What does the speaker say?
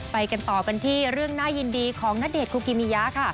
ไปกันต่อกันที่เรื่องน่ายินดีของณเดชนคุกิมิยะค่ะ